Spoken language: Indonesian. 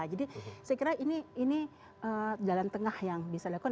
jadi saya kira ini jalan tengah yang bisa dilakukan